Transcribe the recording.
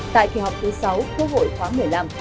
tại kỳ họp thứ sáu quốc hội khóa một mươi năm